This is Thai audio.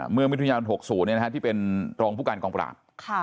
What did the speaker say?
เมืองวิทยาลันทร์๖๐ที่เป็นรองผู้การกองปราบ